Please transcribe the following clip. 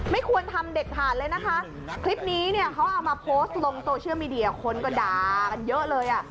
ไม่ควรทำเด็ดขาดเลยนะคะคลิปนี้เนี่ยเขาเอามาโพสต์ลงโซเชียลมีเดียคนก็ด่ากันเยอะเลยอ่ะ